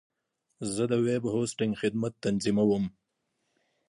زه د ویب هوسټنګ خدمت تنظیموم.